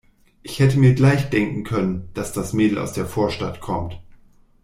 Ich hätte mir gleich denken können, dass das Mädel aus der Vorstadt kommt.